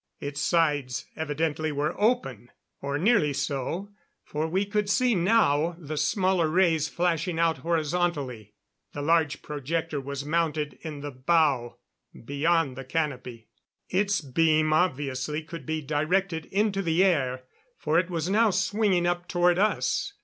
Its sides evidently were open, or nearly so, for we could see now the smaller rays flashing out horizontally. The large projector was mounted in the bow beyond the canopy. Its beam obviously could be directed into the air, for it was now swinging up toward us.